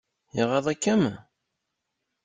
Iɣaḍ-ikem?